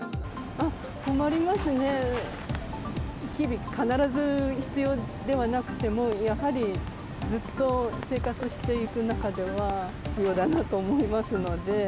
日々、必ず必要ではなくても、やはりずっと生活していく中では必要だなと思いますので。